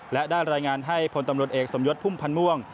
และได้รายงานให้พลตำรวจเอกสมยศพุ่มพันธ์ม่วง